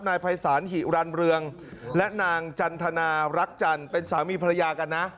นายภัยศาลหิรันเรืองและนางจันทนารักจันทร์เป็นสามีภรรยากันนะ